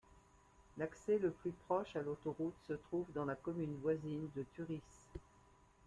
L'accès le plus proche à l'autoroute se trouve dans la commune voisine de Tuřice.